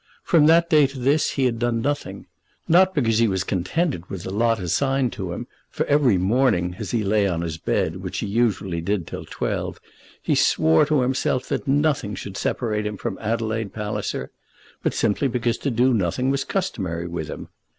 From that day to this he had done nothing, not because he was contented with the lot assigned to him, for every morning, as he lay on his bed, which he usually did till twelve, he swore to himself that nothing should separate him from Adelaide Palliser, but simply because to do nothing was customary with him.